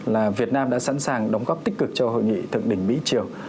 là việt nam đã sẵn sàng đóng góp tích cực cho hội nghị thượng đỉnh mỹ triều